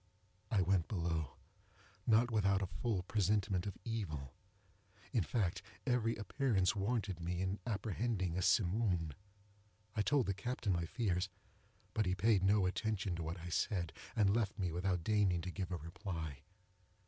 I went below—not without a full presentiment of evil. Indeed, every appearance warranted me in apprehending a Simoom. I told the captain my fears; but he paid no attention to what I said, and left me without deigning to give a reply.